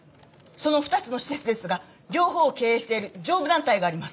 その２つの施設ですが両方を経営している上部団体があります。